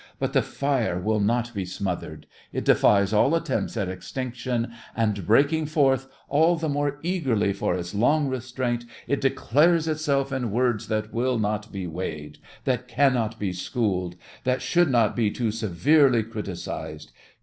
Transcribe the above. But the fire will not be smothered—it defies all attempts at extinction, and, breaking forth, all the more eagerly for its long restraint, it declares itself in words that will not be weighed—that cannot be schooled—that should not be too severely criticised.